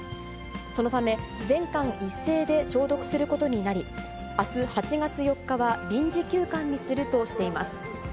そのため、全館一斉で消毒することになり、あす８月４日は臨時休館にするとしています。